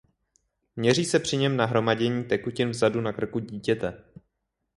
Měří se při něm nahromadění tekutin vzadu na krku dítěte.